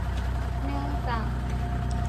เนื่องจาก